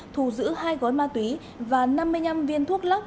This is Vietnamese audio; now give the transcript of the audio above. thu giữ hai gói ma túy và năm mươi năm viên thuốc lắc